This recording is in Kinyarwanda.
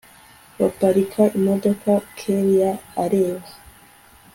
baparika imodoka kellia areba